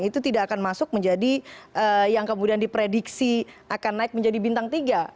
itu tidak akan masuk menjadi yang kemudian diprediksi akan naik menjadi bintang tiga